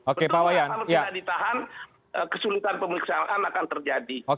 betul kalau tidak ditahan kesulitan pemeriksaan akan terjadi